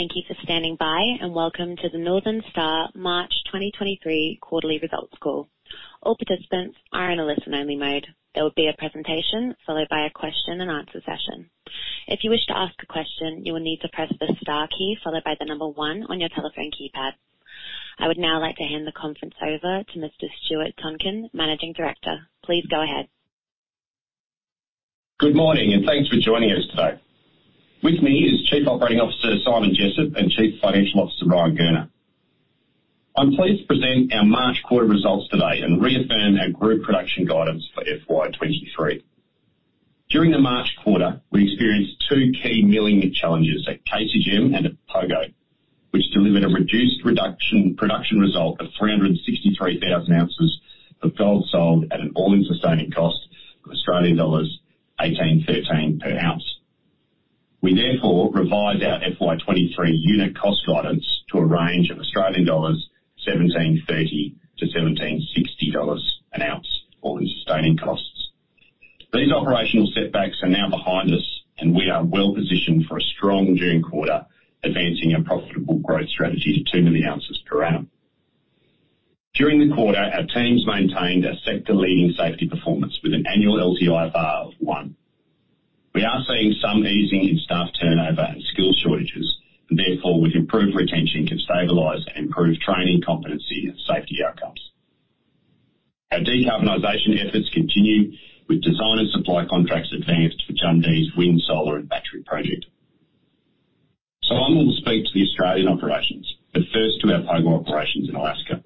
Thank you for standing by, and welcome to the Northern Star March 2023 quarterly results call. All participants are in a listen-only mode. There will be a presentation followed by a question and answer session. If you wish to ask a question, you will need to press the star key followed by the number 1 on your telephone keypad. I would now like to hand the conference over to Mr. Stuart Tonkin, Managing Director. Please go ahead. Good morning. Thanks for joining us today. With me is Chief Operating Officer Simon Jessop and Chief Financial Officer Ryan Gurner. I'm pleased to present our March quarter results today and reaffirm our group production guidance for FY 2023. During the March quarter, we experienced two key milling challenges at KCGM and at Pogo, which delivered a reduced production result of 363,000 ounces of gold sold at an all-in sustaining cost of Australian dollars 1,813 per ounce. We therefore revised our FY 2023 unit cost guidance to a range of Australian dollars 1,730-1,760 an ounce for all-in sustaining costs. These operational setbacks are now behind us, and we are well-positioned for a strong June quarter, advancing our profitable growth strategy to 2 million ounces per annum. During the quarter, our teams maintained a sector-leading safety performance with an annual LTIFR of 1. We are seeing some easing in staff turnover and skill shortages, and therefore, with improved retention can stabilize and improve training competency and safety outcomes. Our decarbonization efforts continue with design and supply contracts advanced for Jundee wind, solar, and battery project. Simon will speak to the Australian operations, but first to our Pogo operations in Alaska.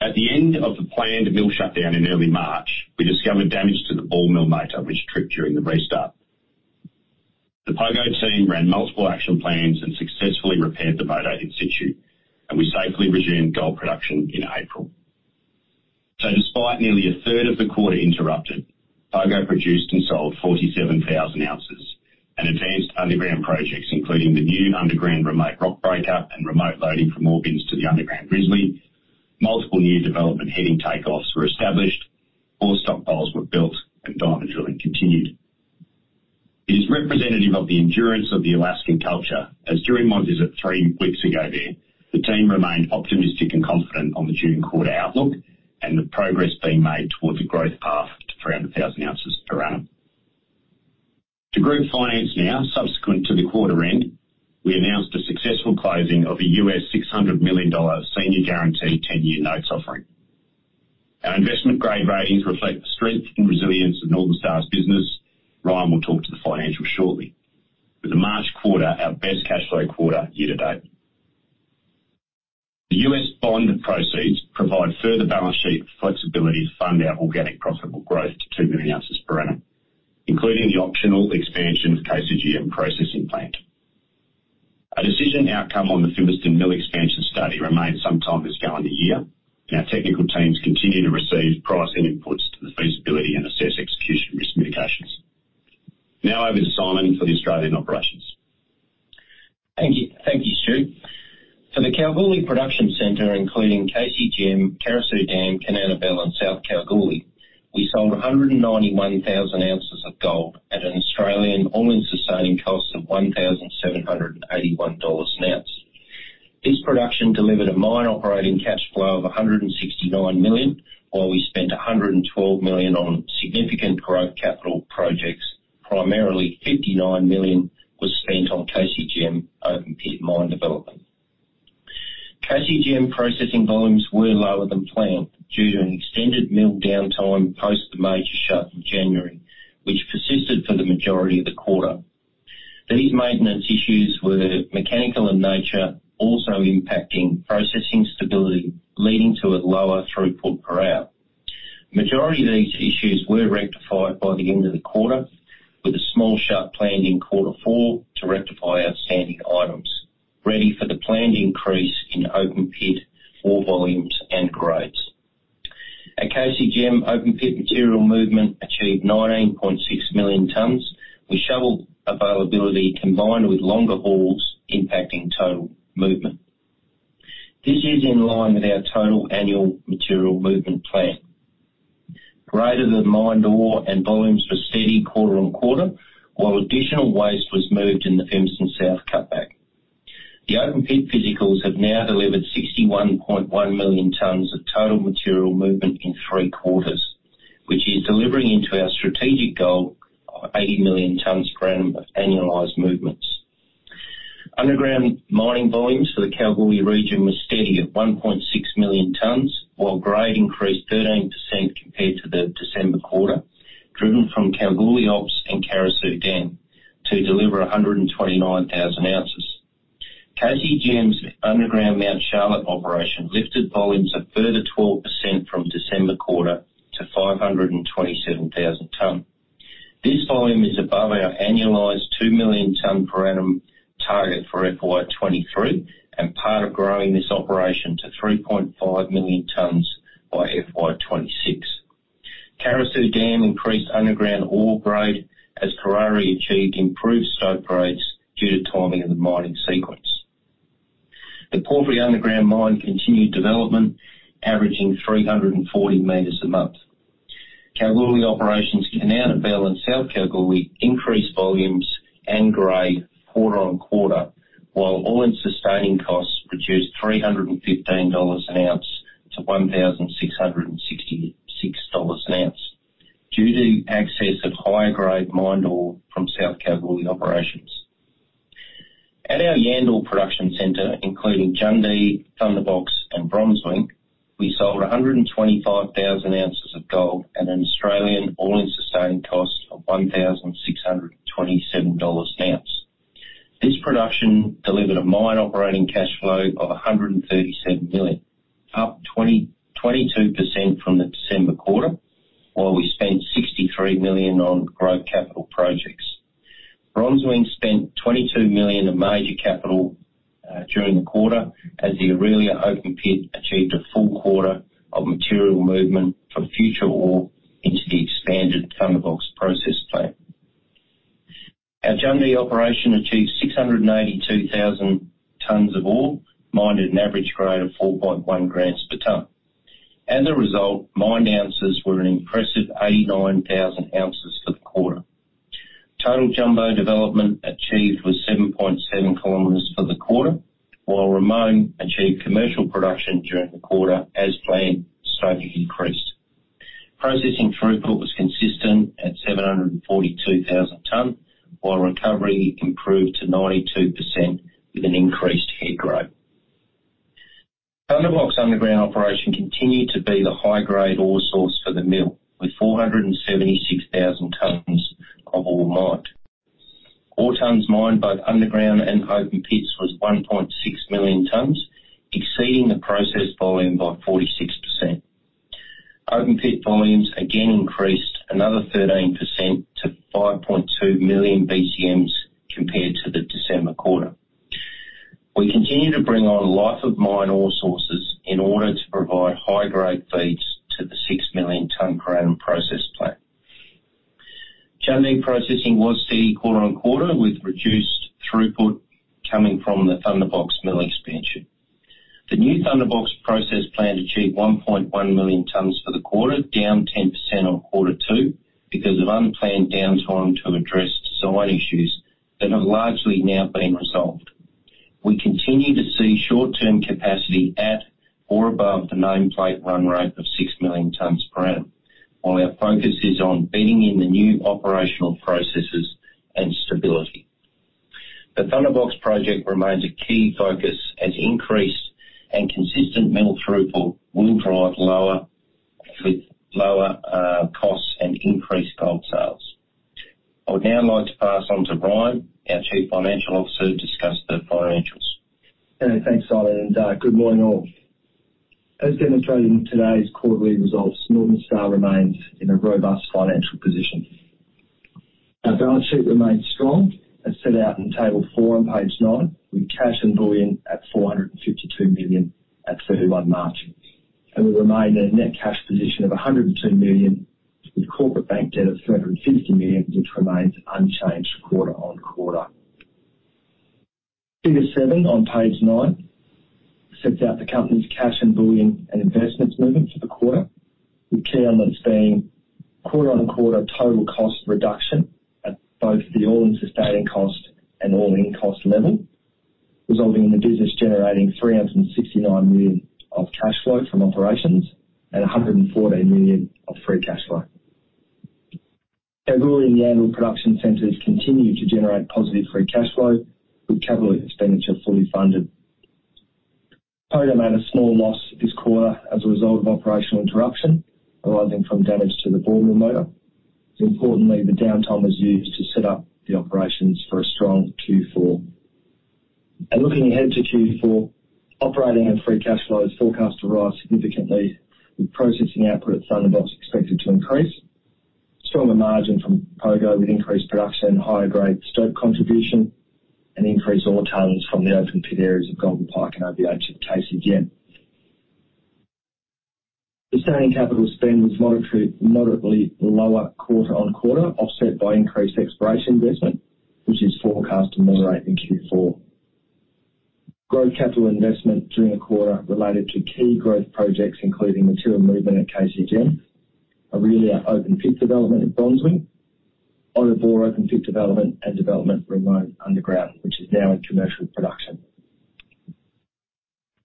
At the end of the planned mill shutdown in early March, we discovered damage to the ball mill motor, which tripped during the restart. The Pogo team ran multiple action plans and successfully repaired the motor in situ, and we safely resumed gold production in April. Despite nearly a third of the quarter interrupted, Pogo produced and sold 47,000 ounces and advanced underground projects, including the new underground remote rock breakup and remote loading from ore bins to the underground grizzly. Multiple new development heading takeoffs were established, ore stockpiles were built, and diamond drilling continued. It is representative of the endurance of the Alaskan culture as during my visit three weeks ago there, the team remained optimistic and confident on the June quarter outlook and the progress being made towards a growth path to 300,000 ounces per annum. To group finance now. Subsequent to the quarter end, we announced the successful closing of a US $600 million senior guaranteed 10-year notes offering. Our investment-grade ratings reflect the strength and resilience of Northern Star's business. Ryan will talk to the financials shortly. With the March quarter our best cash flow quarter year to date. The U.S. bond proceeds provide further balance sheet flexibility to fund our organic profitable growth to 2 million ounces per annum, including the optional expansion of KCGM processing plant. A decision outcome on the Fimiston mill expansion study remains some time this calendar year. Our technical teams continue to receive processing inputs to the feasibility and assess execution risk mitigations. Now over to Simon for the Australian operations. Thank you. Thank you, Stuart. For the Kalgoorlie production center, including KCGM, Carosue Dam, Kanowna Belle, and South Kalgoorlie, we sold 191,000 ounces of gold at an Australian all-in sustaining cost of AUD 1,781 an ounce. This production delivered a mine operating cash flow of AUD 169 million, while we spent AUD 112 million on significant growth capital projects. Primarily, AUD 59 million was spent on KCGM open pit mine development. KCGM processing volumes were lower than planned due to an extended mill downtime post the major shut in January, which persisted for the majority of the quarter. These maintenance issues were mechanical in nature, also impacting processing stability, leading to a lower throughput per hour. Majority of these issues were rectified by the end of the quarter, with a small shut planned in Q4 to rectify outstanding items ready for the planned increase in open pit ore volumes and grades. At KCGM open pit, material movement achieved 19.6 million tons, with shovel availability combined with longer hauls impacting total movement. This is in line with our total annual material movement plan. Grade of the mined ore and volumes were steady quarter-on-quarter, while additional waste was moved in the Fimiston South cutback. The open pit physicals have now delivered 61.1 million tons of total material movement in three quarters, which is delivering into our strategic goal of 80 million tons per annum of annualized movements. Underground mining volumes for the Kalgoorlie region were steady at 1.6 million tons, while grade increased 13% compared to the December quarter, driven from Kalgoorlie Ops and Carosue Dam to deliver 129,000 ounces. KCGM's underground Mount Charlotte operation lifted volumes a further 12% from December quarter to 527,000 tons. This volume is above our annualized 2 million tons per annum target for FY23 and part of growing this operation to 3.5 million tons by FY26. Carosue Dam increased underground ore grade as Karari achieved improved stope grades due to timing of the mining sequence. The Porphyry underground mine continued development averaging 340 meters a month. Kalgoorlie operations can now at Vale and South Kalgoorlie increase volumes and grade quarter-on-quarter, while all-in sustaining costs reduced 315 dollars an ounce to 1,666 dollars an ounce due to access of higher-grade mined ore from South Kalgoorlie operations. At our Yandal production center, including Jundee, Thunderbox, and Bronzewing, we sold 125,000 ounces of gold at an Australian all-in sustaining cost of 1,627 dollars an ounce. This production delivered a mine operating cash flow of 137 million, up 22% from the December quarter, while we spent 63 million on growth capital projects. Bronzewing spent 22 million in major capital during the quarter as the Orelia open pit achieved a full quarter of material movement from future ore into the expanded Thunderbox process plant. Our Jundee operation achieved 682,000 tons of ore, mined at an average grade of 4.1 grams per ton. As a result, mined ounces were an impressive 89,000 ounces for the quarter. Total jumbo development achieved was 7.7 kilometers for the quarter, while Ramone achieved commercial production during the quarter as planned, stroke, increased. Processing throughput was consistent at 742,000 tons, while recovery improved to 92% with an increased head grade. Thunderbox underground operation continued to be the high-grade ore source for the mill with 476,000 tons of ore mined. Ore tons mined, both underground and open pits, was 1.6 million tons, exceeding the process volume by 46%. Open pit volumes again increased another 13% to 5.2 million BCMs compared to the December quarter. We continue to bring on life of mine ore sources in order to provide high-grade feeds to the 6 million ton per annum process plant. Jundee processing was steady quarter-on-quarter with reduced throughput coming from the Thunderbox mill expansion. The new Thunderbox process plant achieved 1.1 million tons for the quarter, down 10% on quarter two because of unplanned downtime to address design issues that have largely now been resolved. We continue to see short-term capacity at or above the nameplate run rate of 6 million tons per annum, while our focus is on bedding in the new operational processes and stability. The Thunderbox project remains a key focus as increased and consistent mill throughput will drive lower costs and increased gold sales. I would now like to pass on to Ryan Gurner, our Chief Financial Officer, to discuss the financials. Thanks, Simon, and good morning all. As demonstrated in today's quarterly results, Northern Star remains in a robust financial position. Our balance sheet remains strong as set out in table 4 on page 9, with cash and bullion at 452 million at 31 March. We remain at a net cash position of 102 million, with corporate bank debt of 350 million, which remains unchanged quarter-on-quarter. Figure seven on page nine sets out the company's cash and bullion and investments movements for the quarter, with key elements being quarter-on-quarter total cost reduction at both the all-in sustaining cost and all-in cost level, resulting in the business generating 369 million of cash flow from operations and 114 million of free cash flow. Kalgoorlie and Yandal production centers continue to generate positive free cash flow with capital expenditure fully funded. Pogo made a small loss this quarter as a result of operational interruption arising from damage to the bore mill motor. Importantly, the downtime was used to set up the operations for a strong Q4. Looking ahead to Q4, operating and free cash flows forecast to rise significantly with processing output at Thunderbox expected to increase, stronger margin from Pogo with increased production and higher-grade stope contribution, and increased ore tons from the open pit areas of Golden Pike and OBO at KCGM. Sustaining capital spend was moderately lower quarter-on-quarter, offset by increased exploration investment, which is forecast to moderate in Q4. Growth capital investment during the quarter related to key growth projects including material movement at KCGM, Orelia open pit development at Bronzewing, OBO open pit development and development Ramone underground, which is now in commercial production.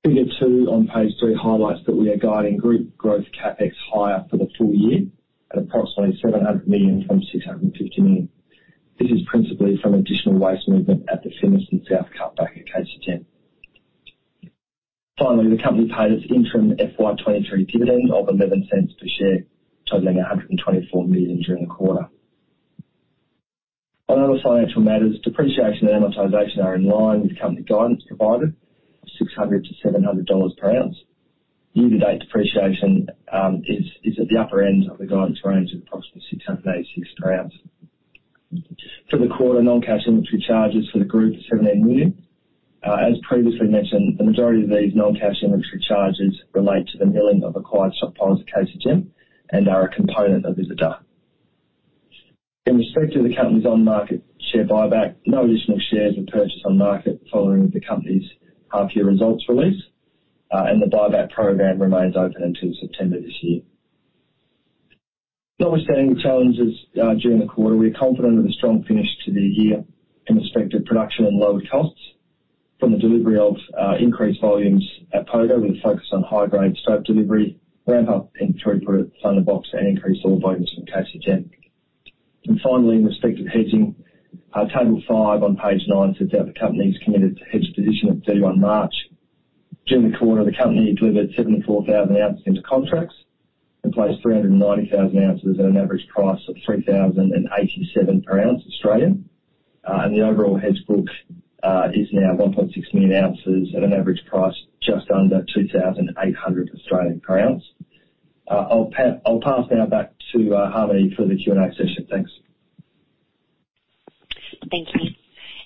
Figure two on page three highlights that we are guiding group growth CapEx higher for the full year at approximately 700 million from 650 million. This is principally from additional waste movement at the Simpson South cutback at KCGM. The company paid its interim FY 2023 dividend of 0.11 per share, totaling 124 million during the quarter. On other financial matters, depreciation and amortization are in line with company guidance provided, $600-$700 per ounce. Year to date depreciation is at the upper end of the guidance range of approximately $686 per ounce. For the quarter, non-cash inventory charges for the group is 17 million. As previously mentioned, the majority of these non-cash inventory charges relate to the milling of acquired stockpiles at KCGM and are a component of AISC. In respect to the company's on-market share buyback, no additional shares were purchased on market following the company's half year results release, and the buyback program remains open until September this year. Notwithstanding the challenges, during the quarter, we're confident of a strong finish to the year in respect of production and lower costs from the delivery of increased volumes at Pogo, with a focus on high grade stope delivery, ramp up in throughput at Thunderbox and increased ore volumes from KCGM. Finally, in respect to hedging, table 5 on page 9 sets out the company's committed hedge position at 31 March. During the quarter, the company delivered 74,000 ounces into contracts and placed 390,000 ounces at an average price of 3,087 per ounce Australian. The overall hedge book is now 1.6 million ounces at an average price just under AUD 2,800 per ounce. I'll pass now back to Harmony for the Q&A session. Thanks. Thank you.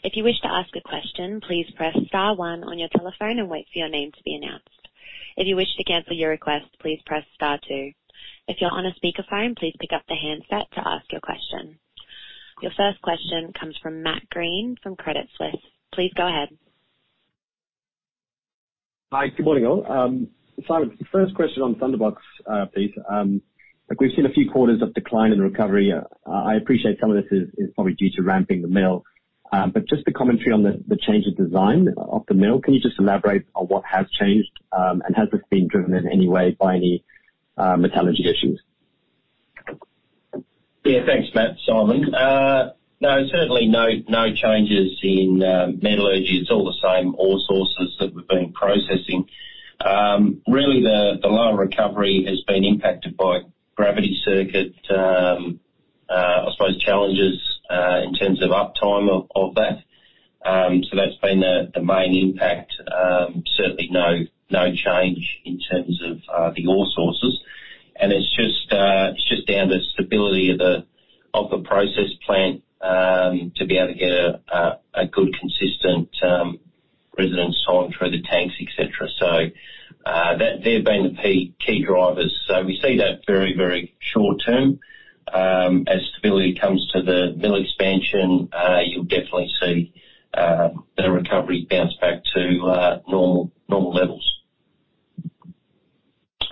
If you wish to ask a question, please press star one on your telephone and wait for your name to be announced. If you wish to cancel your request, please press star two. If you're on a speakerphone, please pick up the handset to ask your question. Your first question comes from Matt Greene from Credit Suisse. Please go ahead. Hi, good morning all. Simon, the first question on Thunderbox, please. Look, we've seen a few quarters of decline in recovery. I appreciate some of this is probably due to ramping the mill, but just the commentary on the change of design of the mill. Can you just elaborate on what has changed, and has this been driven in any way by any metallurgy issues? Thanks Matt. Simon. No certainly no changes in metallurgy. It's all the same ore sources that we've been processing. Really the lower recovery has been impacted by gravity circuit, I suppose challenges in terms of uptime of that. That's been the main impact. Certainly no change in terms of the ore sources. It's just down to stability of the process plant to be able to get a good consistent residence time through the tanks, et cetera. They've been the key drivers. We see that very short term. As stability comes to the mill expansion, you'll definitely see the recovery bounce back to normal levels.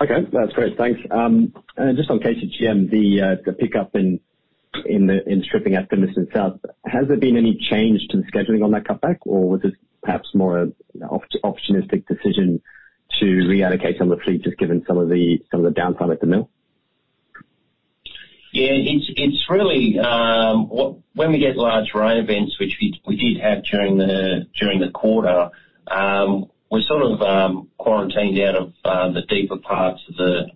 Okay, that's great. Thanks. Just on KCGM, the pickup in stripping at Fimiston South, has there been any change to the scheduling on that cutback? Or was this perhaps more of an opportunistic decision to reallocate some of the fleet, just given some of the downtime at the mill? Yeah, it's really, when we get large rain events, which we did have during the quarter, we're sort of quarantined out of the deeper parts of the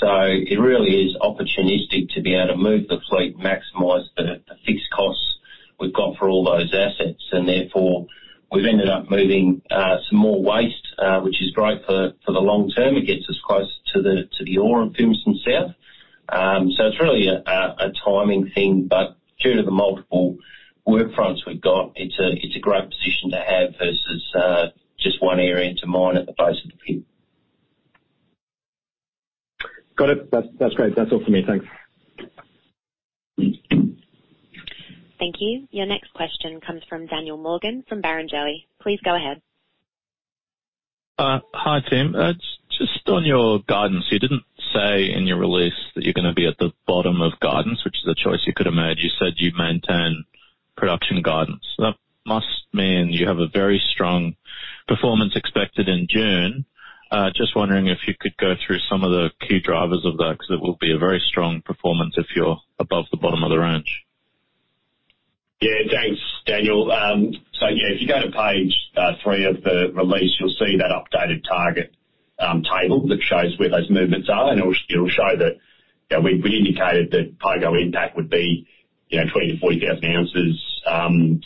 pit. It really is opportunistic to be able to move the fleet, maximize the fixed costs we've got for all those assets. Therefore we've ended up moving some more waste, which is great for the long term. It gets us closer to the ore in Fimiston South. It's really a timing thing, but due to the multiple work fronts we've got, it's a great position to have versus just one area to mine at the base of the pit. Got it. That's great. That's all for me. Thanks. Thank you. Your next question comes from Daniel Morgan, from Barrenjoey. Please go ahead. Hi, team. Just on your guidance, you didn't say in your release that you're gonna be at the bottom of guidance, which is a choice you could have made. You said you'd maintain production guidance. That must mean you have a very strong performance expected in June. Just wondering if you could go through some of the key drivers of that, 'cause it will be a very strong performance if you're above the bottom of the range. Thanks, Daniel. If you go to page three of the release, you'll see that updated target table that shows where those movements are, and it'll show that, you know, we indicated that Porphyry impact would be, you know, 20,000-40,000 ounces,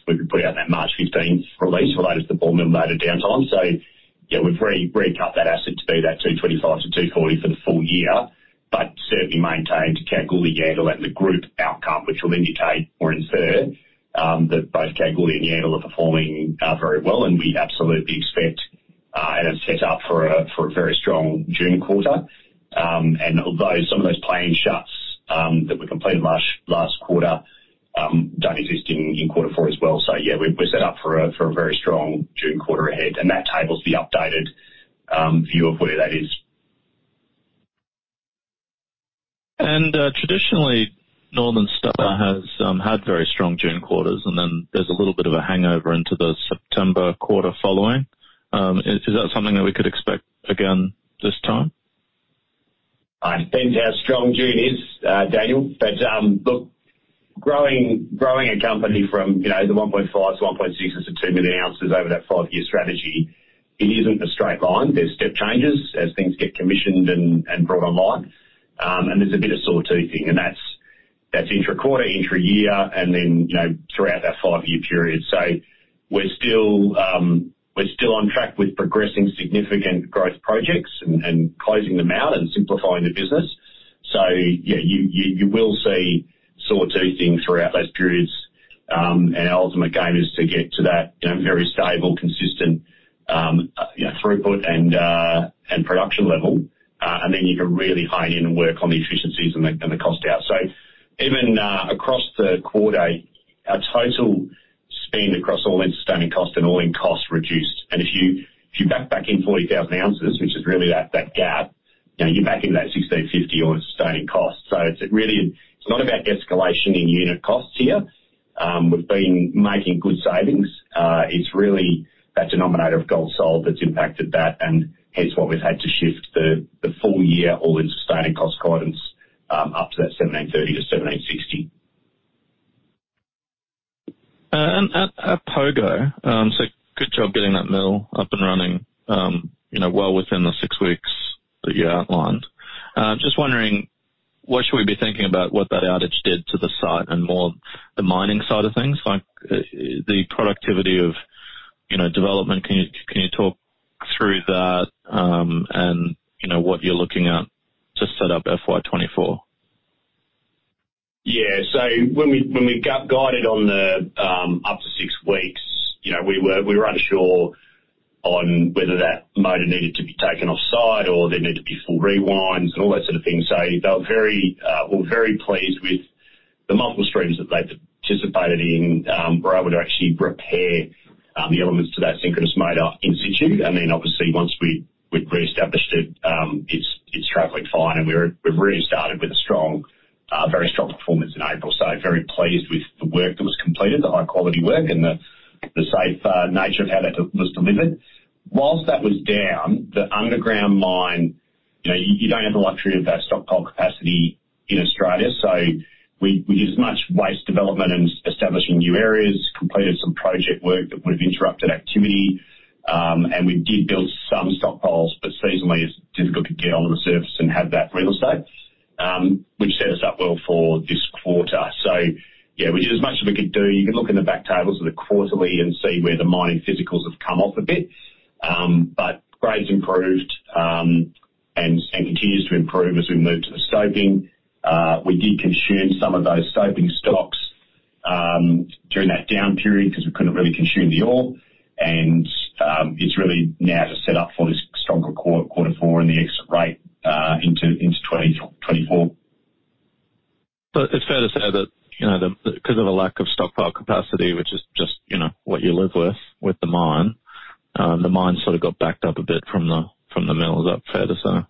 we put out in that March 15th release related to the Porphyry downtime. We've recut that asset to be that 225-240 for the full year, but certainly maintained Kalgoorlie, Yandal and the group outcome, which will indicate or infer that both Kalgoorlie and Yandal are performing very well, and we absolutely expect and are set up for a very strong June quarter. Although some of those planned shuts that we completed last quarter don't exist in quarter four as well. We're set up for a very strong June quarter ahead. That table's the updated view of where that is. Traditionally, Northern Star has had very strong June quarters, and then there's a little bit of a hangover into the September quarter following. Is that something that we could expect again this time? It depends how strong June is, Daniel. Look, growing a company from, you know, the 1.5 to 1.6 to 2 million ounces over that five-year strategy, it isn't a straight line. There's step changes as things get commissioned and brought online. There's a bit of sawtooth thing and that's intra-quarter, intra-year, and then, you know, throughout that five-year period. We're still on track with progressing significant growth projects and closing them out and simplifying the business. Yeah, you will see sawtoothing throughout those periods. Our ultimate game is to get to that, you know, very stable, consistent, you know, throughput and production level. You can really hone in and work on the efficiencies and the cost out. Even across the quarter, our total spend across all-in sustaining costs and all-in costs reduced. If you back in 40,000 ounces, which is really that gap, you know, you're back into that 1,650 on a sustaining cost. It's really not about escalation in unit costs here. We've been making good savings. It's really that denominator of gold sold that's impacted that, and hence why we've had to shift the full year all-in sustaining cost guidance up to that 1,730-1,760. At Pogo, good job getting that mill up and running, you know, well within the six weeks that you outlined. Just wondering what should we be thinking about what that outage did to the site and more the mining side of things, like the productivity of, you know, development. Can you talk through that, you know, what you're looking at to set up FY 2024? When we guided on the up to six weeks, you know, we were unsure on whether that motor needed to be taken off-site or there needed to be full rewinds and all that sort of thing. They were very, we're very pleased with the multiple streams that they participated in. We're able to actually repair the elements to that synchronous motor institute. Then obviously once we'd reestablished it's traveling fine. We've really started with a strong, very strong performance in April. Very pleased with the work that was completed, the high-quality work and the safe nature of how that was delivered. Whilst that was down, the underground mine, you know, you don't have the luxury of that stockpile capacity in Australia. We did as much waste development and establishing new areas, completed some project work that would have interrupted activity. And we did build some stockpiles, but seasonally it's difficult to get all of the surface and have that real estate, which set us up well for this quarter. Yeah, we did as much as we could do. You can look in the back tables of the quarterly and see where the mining physicals have come off a bit. But grades improved, and continues to improve as we move to the stoping. We did consume some of those stoping stocks during that down period because we couldn't really consume the ore. It's really now just set up for this stronger quarter four and the exit rate into 2024. It's fair to say that, you know, the, because of a lack of stockpile capacity, which is just, you know, what you live with the mine, the mine sort of got backed up a bit from the, from the mills. Is that fair to say?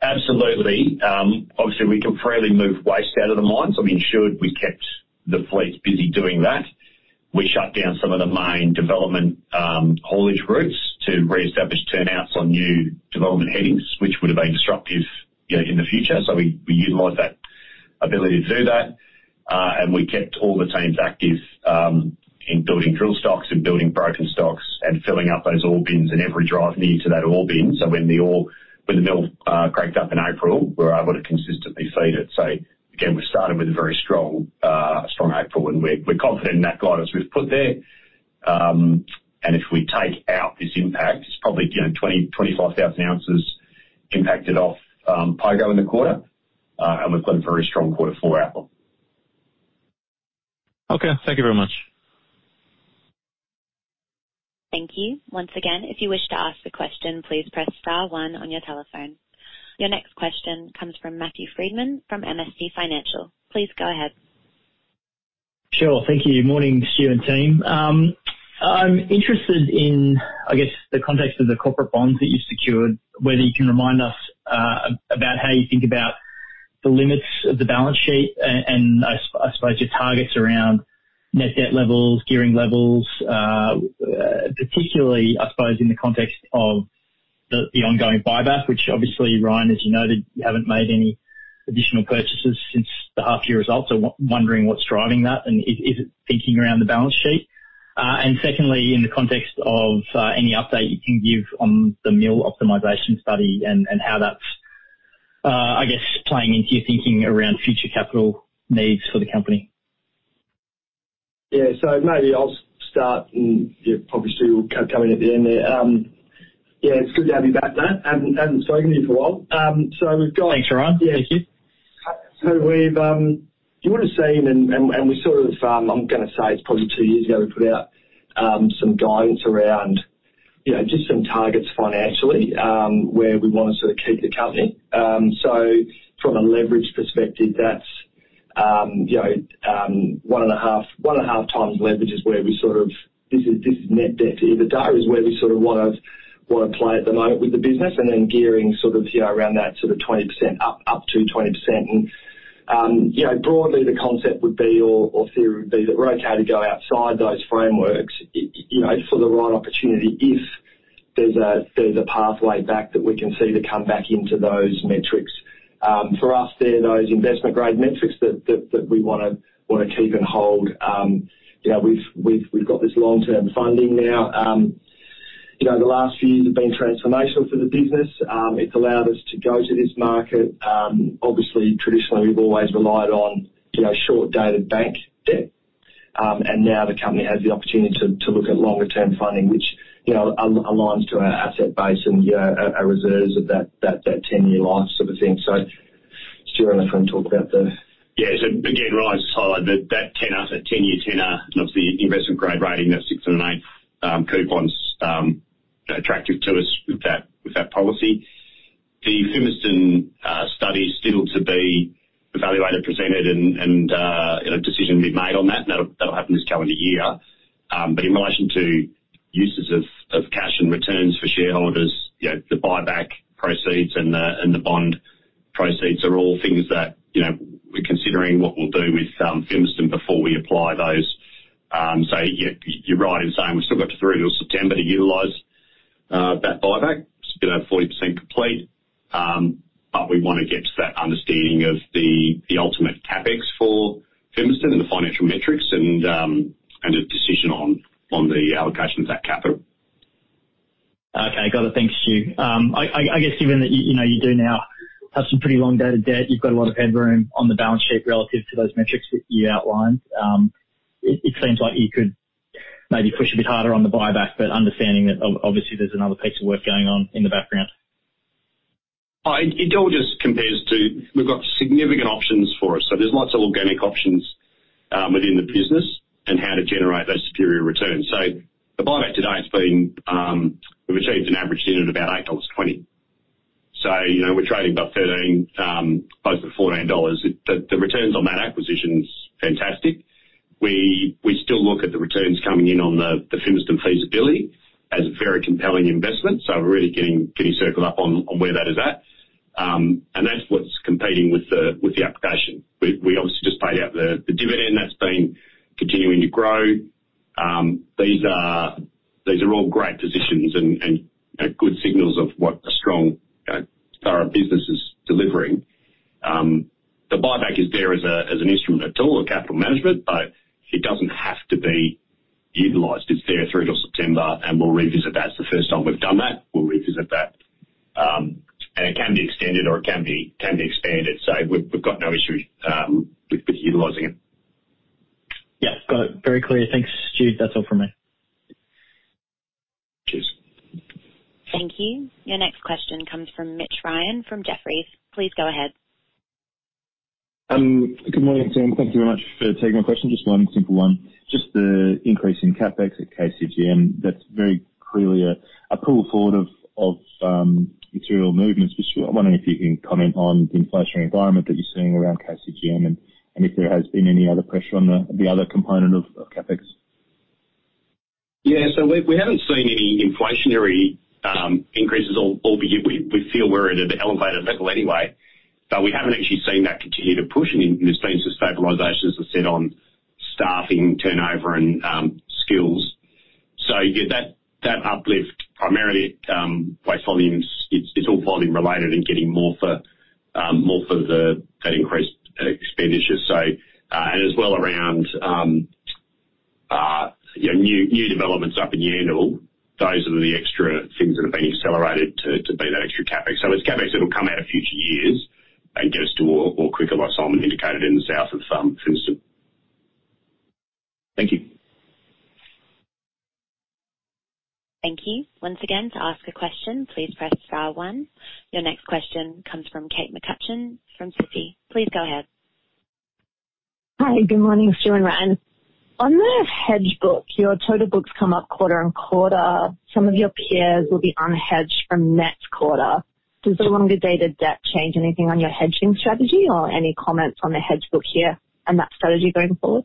Absolutely. Obviously, we can freely move waste out of the mines, so we ensured we kept the fleets busy doing that. We shut down some of the main development, haulage routes to reestablish turnouts on new development headings, which would have been disruptive, you know, in the future. We utilized that ability to do that. We kept all the teams active, in building drill stocks and building broken stocks and filling up those ore bins in every drive near to that ore bin. When the mill cranked up in April, we were able to consistently feed it. Again, we've started with a very strong April, and we're confident in that guidance we've put there. If we take out this impact, it's probably 20,000-25,000 ounces impacted off Pogo in the quarter. We've got a very strong quarter four outlook. Okay. Thank you very much. Thank you. Once again, if you wish to ask the question, please press star one on your telephone. Your next question comes from Matthew Frydman from MST Financial. Please go ahead. Sure. Thank you. Morning, Stuart and team. I'm interested in, I guess, the context of the corporate bonds that you secured, whether you can remind us about how you think about the limits of the balance sheet and, I suppose your targets around net debt levels, gearing levels, particularly I suppose in the context of the ongoing buyback, which obviously, Ryan, as you noted, you haven't made any additional purchases since the half year results. I'm wondering what's driving that and is it thinking around the balance sheet? Secondly, in the context of, any update you can give on the mill optimization study and, how that's, I guess, playing into your thinking around future capital needs for the company. Yeah. Maybe I'll start and, yeah, probably Stuart will come in at the end there. Yeah, it's good to have you back, Matt. Hadn't spoken to you for a while. We've got. Thanks, Ryan. Yeah. We've, you would have seen and we sort of, I'm gonna say it's probably two years ago, we put out, some guidance around, you know, just some targets financially, where we wanna sort of keep the company. From a leverage perspective, that's, you know, 1.5 times leverage is where we sort of this is net debt to EBITDA is where we sort of wanna play at the moment with the business and then gearing sort of, you know, around that sort of 20% up to 20%. You know, broadly the concept would be or theory would be that we're okay to go outside those frameworks, you know, for the right opportunity if there's a pathway back that we can see to come back into those metrics. For us, they're those investment-grade metrics that we wanna keep and hold. You know, we've got this long-term funding now. You know, the last few years have been transformational for the business. It's allowed us to go to this market. Obviously, traditionally, we've always relied on, you know, short-dated bank debt. Now the company has the opportunity to look at longer-term funding, which You know, aligns to our asset base and, you know, our reserves of that ten-year life sort of thing. Stuart, if you wanna talk about. Again, right, so that tenor, that 10-year tenor and obviously investment grade rating, that 6 and an 8, coupon's, you know, attractive to us with that, with that policy. The Fimiston study is still to be evaluated, presented, and a decision to be made on that. That'll happen this calendar year. In relation to uses of cash and returns for shareholders, you know, the buyback proceeds and the bond proceeds are all things that, you know, we're considering what we'll do with Fimiston before we apply those. You're right in saying we've still got through till September to utilize that buyback. It's been 40% complete. We wanna get to that understanding of the ultimate CapEx for Fimiston and the financial metrics and a decision on the allocation of that capital. Okay. Got it. Thanks, Stuart. I guess given that you know, you do now have some pretty long dated debt, you've got a lot of headroom on the balance sheet relative to those metrics that you outlined. It seems like you could maybe push a bit harder on the buyback, but understanding that obviously there's another piece of work going on in the background. It all just compares to we've got significant options for us. There's lots of organic options within the business and how to generate those superior returns. The buyback to date has been, we've achieved an average unit of about 8.20 dollars. You know, we're trading about 13, close to 14 dollars. The returns on that acquisition's fantastic. We still look at the returns coming in on the Fimiston feasibility as a very compelling investment, so we're really getting circled up on where that is at. That's what's competing with the application. We obviously just paid out the dividend that's been continuing to grow. These are all great positions and, you know, good signals of what a strong, you know, current business is delivering. The buyback is there as an instrument, a tool of capital management, but it doesn't have to be utilized. It's there through till September. We'll revisit that. It's the first time we've done that. We'll revisit that. It can be extended or it can be expanded. We've got no issue with utilizing it. Got it. Very clear. Thanks, Stuart. That's all from me. Cheers. Thank you. Your next question comes from Mitch Ryan from Jefferies. Please go ahead. Good morning, team. Thank you very much for taking my question. Just one simple one. Just the increase in CapEx at KCGM, that's very clearly a pull forward of material movements. Just wondering if you can comment on the inflationary environment that you're seeing around KCGM and if there has been any other pressure on the other component of CapEx? We haven't seen any inflationary increases albeit we feel we're at an elevated level anyway. We haven't actually seen that continue to push, and then there's been some stabilizations as I said on staffing turnover and skills. That uplift primarily waste volumes. It's all volume related and getting more for the that increased expenditure. And as well around, yeah, new developments up in Yandal, those are the extra things that have been accelerated to be that extra CapEx. It's CapEx that'll come out in future years and get us to more quicker, like Simon indicated in the south of Fimiston. Thank you. Thank you. Once again, to ask a question, please press star one. Your next question comes from Kate McCutcheon from Citi. Please go ahead. Hi. Good morning, Stuart and Ryan. On the hedge book, your total books come up quarter-on-quarter. Some of your peers will be unhedged from next quarter. Does the longer dated debt change anything on your hedging strategy or any comments on the hedge book here and that strategy going forward?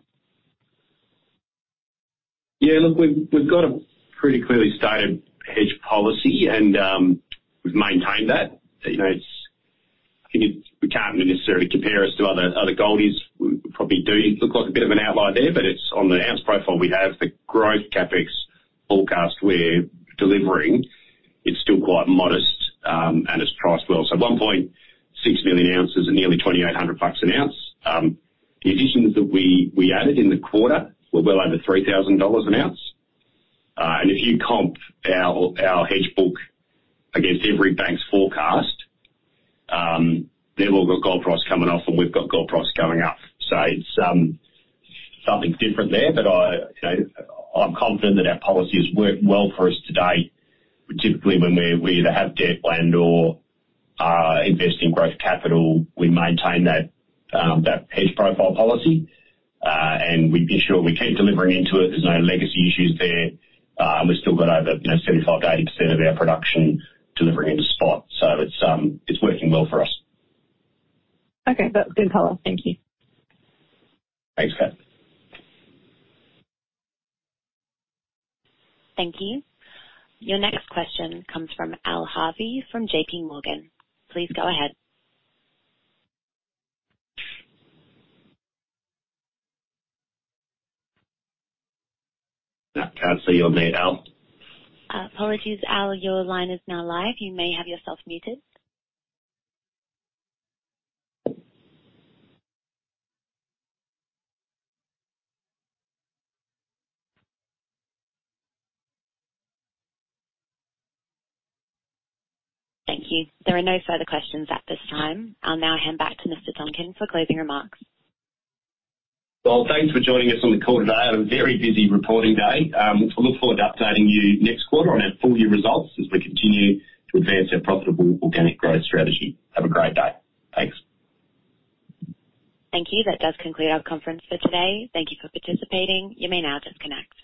look, we've got a pretty clearly stated hedge policy and we've maintained that. You know, I think it's we can't necessarily compare us to other goldies. We probably do look like a bit of an outlier there, but it's on the ounce profile we have, the growth CapEx forecast we're delivering, it's still quite modest, and it's priced well. 1.6 million ounces at nearly 2,800 bucks an ounce. The additions that we added in the quarter were well under 3,000 dollars an ounce. If you comp our hedge book against every bank's forecast, they've all got gold price coming off and we've got gold price going up. It's something different there. I, you know, I'm confident that our policy has worked well for us to date, particularly when we either have debt planned or are investing growth capital, we maintain that hedge profile policy. We ensure we keep delivering into it. There's no legacy issues there. We've still got over, you know, 75%-80% of our production delivering into spot. It's, it's working well for us. Okay. That's good color. Thank you. Thanks, Kate. Thank you. Your next question comes from Al Harvey from J.P. Morgan. Please go ahead. I can't see your name, Al. Apologies, Al. Your line is now live. You may have yourself muted. Thank you. There are no further questions at this time. I'll now hand back to Stuart Tonkin for closing remarks. Thanks for joining us on the call today. I have a very busy reporting day. We'll look forward to updating you next quarter on our full year results as we continue to advance our profitable organic growth strategy. Have a great day. Thanks. Thank you. That does conclude our conference for today. Thank you for participating. You may now disconnect.